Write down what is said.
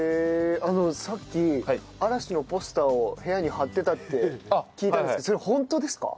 あのさっき嵐のポスターを部屋に貼ってたって聞いたんですけどそれホントですか？